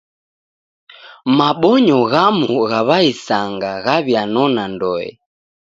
Mabonyo ghamu gha w'aisanga ghaw'ianona ndoe.